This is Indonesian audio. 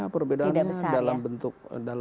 perbedaan dalam bentuk